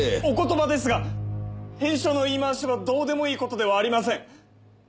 お言葉ですが返書の言い回しはどうでもいいことではありません。